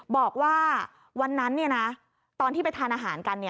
บอกว่าวันนั้นตอนที่ไปทานอาหารกัน